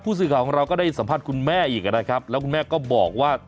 สื่อข่าวของเราก็ได้สัมภาษณ์คุณแม่อีกนะครับแล้วคุณแม่ก็บอกว่า